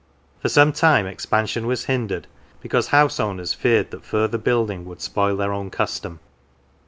For some time expansion was hindered because house 225 FF Lancashire owners feared that further building would spoil their own custom.